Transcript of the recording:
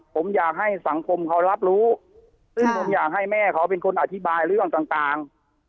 ผมอยากให้สังคมเขารับรู้ซึ่งผมอยากให้แม่เขาเป็นคนอธิบายเรื่องต่าง